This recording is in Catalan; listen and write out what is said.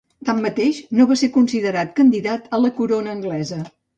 Tanmateix, no va ser considerat candidat a la corona anglesa.